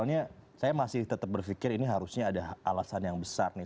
soalnya saya masih tetap berpikir ini harusnya ada alasan yang besar nih